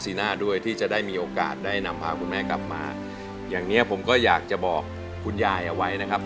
ด้วยที่จะได้มีโอกาสได้นำพาคุณแม่กลับมาอย่างเนี้ยผมก็อยากจะบอกคุณยายเอาไว้นะครับ